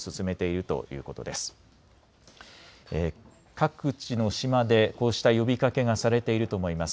各地の島でこうした呼びかけがされていると思います。